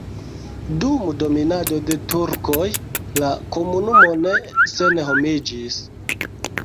Dum dominado de turkoj la komunumo ne senhomiĝis.